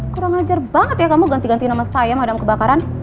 kurang ajar banget ya kamu ganti ganti nama saya madam kebakaran